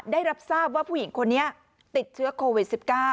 ได้รับทราบว่าผู้หญิงคนนี้ติดเชื้อโควิด๑๙